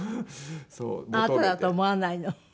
あなただと思わないの？